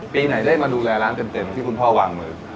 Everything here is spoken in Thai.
ปีไหนได้มาดูแลร้านเต็มที่คุณพ่อวางมือ